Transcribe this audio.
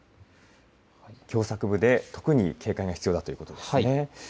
狭さく部で特に警戒が必要ということですね。